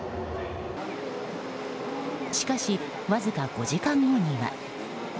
しかし、わずか５時間後には。